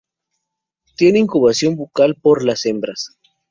Tiene incubación bucal por las hembras.